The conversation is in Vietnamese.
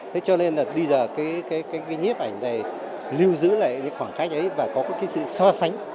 thế cho nên là bây giờ cái cái cái cái nhiếp ảnh này lưu giữ lại những khoảng cách ấy và có cái sự so sánh